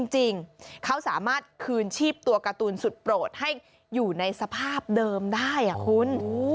จริงเขาสามารถคืนชีพตัวการ์ตูนสุดโปรดให้อยู่ในสภาพเดิมได้คุณ